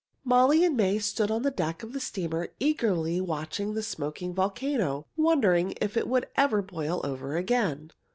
Molly and May stood on the deck of the steamer eagerly watching the smoking volcano, wondering if it would ever boil over again.